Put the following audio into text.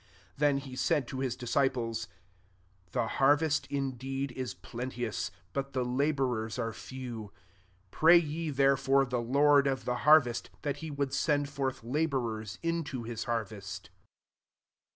37 Then he said to bis disciples, " The harvest indeed is plen teous ; but the labourers qre 4 few. 38 Pray ye therefore the Lord of the harvest, that he would send forth labourers into his harvest."